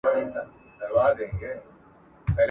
تر راتلونکي کاله به ډېري ستونزي حل سوي وي.